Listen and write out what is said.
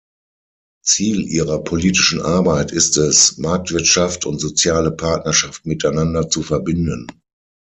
Ziel ihrer politischen Arbeit ist es, Marktwirtschaft und soziale Partnerschaft miteinander zu verbinden.